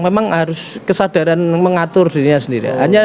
memang harus kesadaran mengatur dirinya sendiri